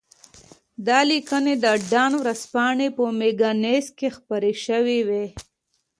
دا لیکنې د ډان ورځپاڼې په مګزین کې خپرې شوې وې.